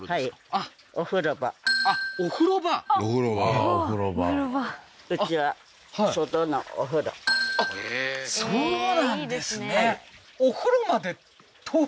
あーお風呂場あっそうなんですね